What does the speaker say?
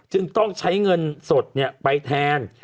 จึงต้องใช้เงินสดไปแทน